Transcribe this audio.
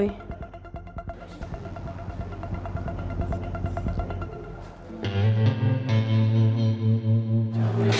tidak ada apa apa